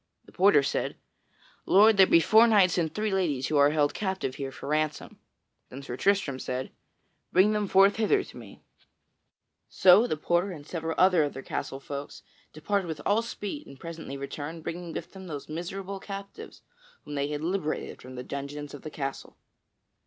The porter said: "Lord, there be four knights and three ladies who are held captive here for ransom." Then Sir Tristram said, "Bring them forth hither to me." [Sidenote: Sir Tristram comforts the captives] So the porter and several other of the castle folk departed with all speed and presently returned bringing with them those miserable captives whom they had liberated from the dungeons of the castle.